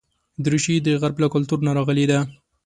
دریشي د غرب له کلتور نه راغلې ده.